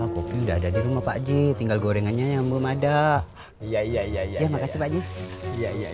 kopi udah ada di rumah pakji tinggal gorengannya yang belum ada ya ya ya ya makasih pakji ya ya